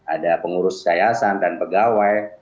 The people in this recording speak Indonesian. ada pengurus yayasan dan pegawai